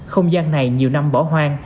không gian này nhiều năm bỏ hoang